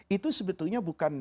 itu sebetulnya bukan